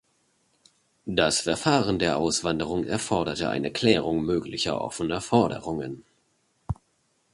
Das Verfahren der Auswanderung erforderte eine Klärung möglicher offener Forderungen.